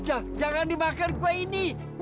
eh jangan dimakan gue ini